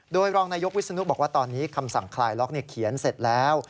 โดยรองนายกวิศนุบอกว่าตอนนี้คำสั่งคลายล็อกเขียนเสร็จแล้ว